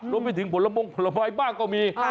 รวมไปถึงผลไมละบาลบ้านก็มี